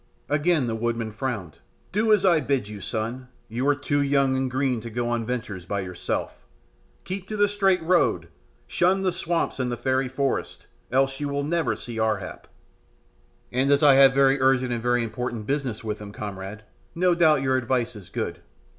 Again the woodman frowned. "Do as I bid you, son. You are too young and green to go on ventures by yourself. Keep to the straight road: shun the swamps and the fairy forest, else will you never see Ar hap." "And as I have very urgent and very important business with him, comrade, no doubt your advice is good.